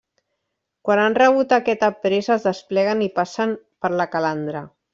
Quan han rebut aquest aprest es despleguen i passen per la calandra.